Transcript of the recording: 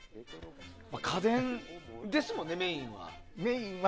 家電ですもんね、メインは。